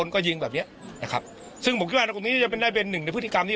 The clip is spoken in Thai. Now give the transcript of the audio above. ก็ยิงแบบเนี้ยนะครับซึ่งผมคิดว่ากลุ่มนี้จะเป็นได้เป็นหนึ่งในพฤติกรรมที่